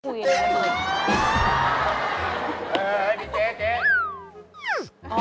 เฮ้ยมีเจ๊